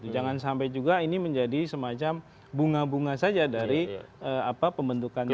jangan sampai juga ini menjadi semacam bunga bunga saja dari pembentukannya